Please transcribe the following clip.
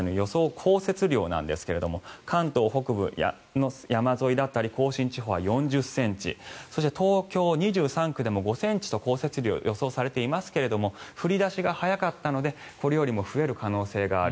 降雪量なんですが関東北部の山沿いだったり甲信地方は４０ｃｍそして東京２３区でも５ｃｍと降雪量が予想されていますが降り出しが早かったのでこれよりも増える可能性がある。